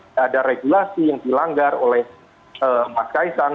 tidak ada regulasi yang dilanggar oleh mas kaisang